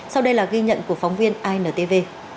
sau đây là ghi nhận của phóng viên intv